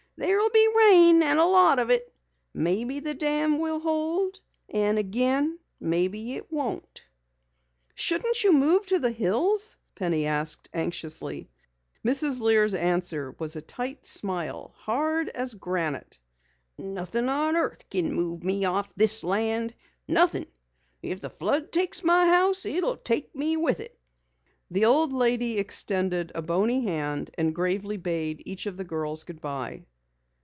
There'll be rain an' a lot of it. Maybe the dam will hold, an' again, maybe it won't." "Shouldn't you move to the hills?" Penny asked anxiously. Mrs. Lear's answer was a tight smile, hard as granite. "Nothin' on Earth kin move me off this land. Nothin'. If the flood takes my house it'll take me with it!" The old lady extended a bony hand and gravely bade each of the girls goodbye.